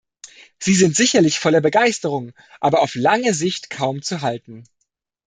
Sie sind sicherlich voller Begeisterung, aber auf lange Sicht kaum zu halten.